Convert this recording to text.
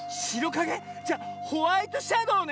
じゃホワイトシャドーね。